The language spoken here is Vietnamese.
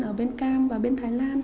ở bên cam và bên thái lan